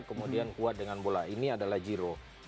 kemudian kuat dengan bola ini adalah giro